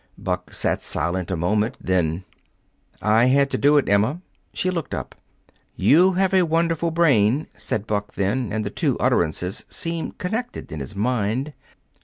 Buck sat silent a moment. Then, "I had to do it, Emma." She looked up. "You have a wonderful brain," said Buck then, and the two utterances seemed connected in his mind.